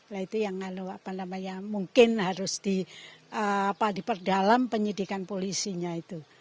nah itu yang mungkin harus diperdalam penyidikan polisinya itu